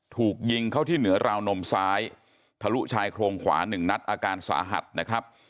ถูกยิงเข้าที่เหนือราวนมซ้ายทะลุชายโครงขวาหนึ่งนัดอาการสาหัสนะครับ